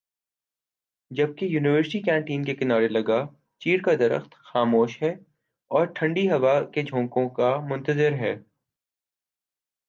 جبکہ university canteen کے کنارے لگا چیڑ کا درخت خاموش ہےاور ٹھنڈی ہوا کے جھونکوں کا منتظر ہے